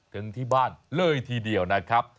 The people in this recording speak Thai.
ถึงที่บ้านเลยทีเดียวนะครับ